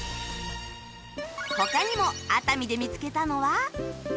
他にも熱海で見つけたのは